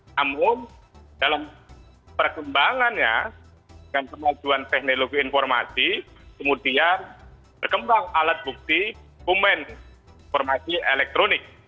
namun dalam perkembangannya dengan kemajuan teknologi informasi kemudian berkembang alat bukti kumen informasi elektronik